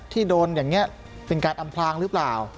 โดนอย่างนี้เป็นการอำพลางหรือเปล่า